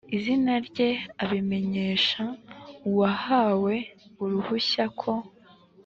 izina rye abimenyesha uwahawe uruhushya ko